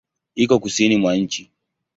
Iko Kusini mwa nchi.